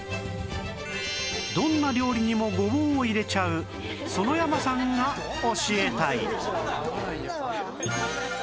どんな料理にもごぼうを入れちゃう園山さんが教えたい